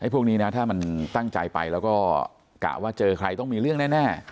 พวกนี้นะถ้ามันตั้งใจไปแล้วก็กะว่าเจอใครต้องมีเรื่องแน่